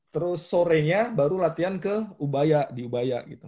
terus sorenya baru latihan di ubaya